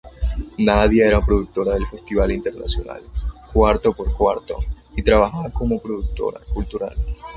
Nadia era productora del Festival Internacional Cuatro x Cuatro y trabajaba como productora cultural.